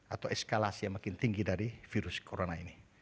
atau eskalasi yang makin tinggi dari virus corona ini